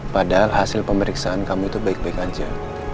padahal hasil pemeriksaan kamu itu baik baik aja